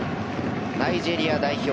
ナイジェリア代表